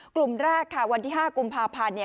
กลุ่มแรกค่ะวันที่๕กุมภาพันธ์เนี่ย